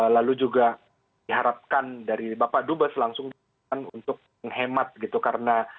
lalu juga diharapkan dari bapak dubes langsung untuk menghemat gitu karena